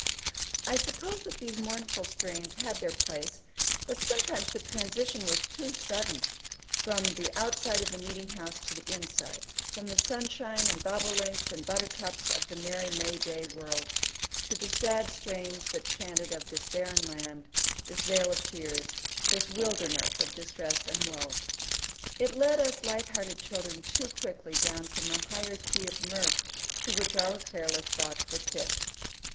I suppose that these mournful strains had their place, but sometimes the transition was too sudden, from the outside of the meeting house to the inside; from the sunshine and bobolinks and buttercups of the merry May day world, to the sad strains that chanted of "this barren land," this "vale of tears," this "wilderness" of distress and woe. It let us light hearted children too quickly down from the higher key of mirth to which our careless thoughts were pitched.